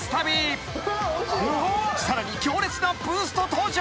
［さらに強烈なブースト登場］